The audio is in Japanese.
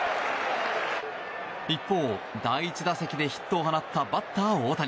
一方、第１打席でヒットを放ったバッター大谷。